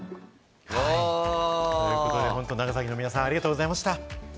ということで本当、長崎の皆さん、ありがとうございました。